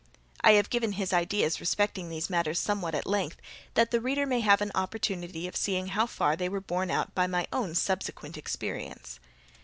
I have given his ideas respecting these matters somewhat at length, that the reader may have an opportunity of seeing how far they were borne out by my own subsequent experience.